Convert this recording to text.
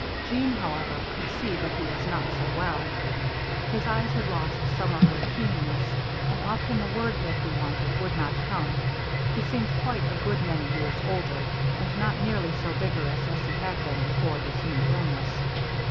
Jeanne, however, could see that he was not so well. His eyes had lost some of their keenness, and often the word that he wanted would not come. He seemed quite a good many years older; and not nearly so vigorous as he had been before this new illness.